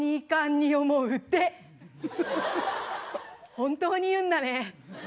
本当に言うんだね。